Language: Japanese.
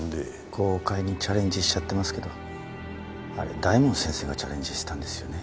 豪快にチャレンジしちゃってますけどあれ大門先生がチャレンジしたんですよね？